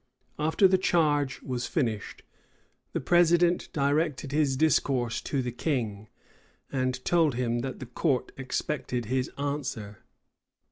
After the charge was finished, the president directed his discourse to the king, and told him that the court expected his answer.